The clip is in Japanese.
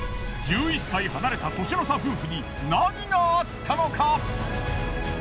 １１歳離れた年の差夫婦に何があったのか？